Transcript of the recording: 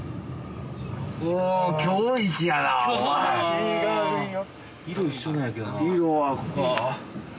違うんよ。